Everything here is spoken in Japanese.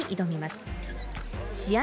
試合